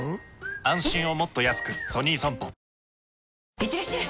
いってらっしゃい！